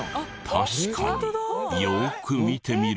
確かによーく見てみると。